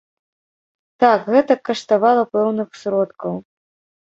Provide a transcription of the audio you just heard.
Так, гэта каштавала пэўных сродкаў.